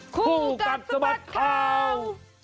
คู่กัดสะบัดข่าว